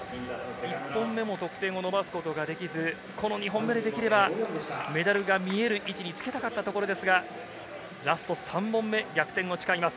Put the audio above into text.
１本目も得点を伸ばすことができず２本目でできれば、メダルが見える位置につけたかったところですが、ラスト３本目、逆転を誓います。